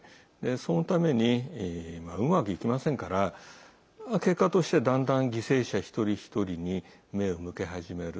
そのためにうまくいきませんから結果として、だんだん犠牲者一人一人に目を向け始める。